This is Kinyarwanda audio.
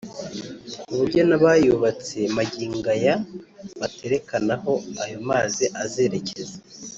ku buryo n’abayubatse magingo aya baterekana aho ayo mazi azerekeza